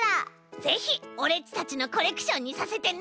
ぜひオレっちたちのコレクションにさせてね。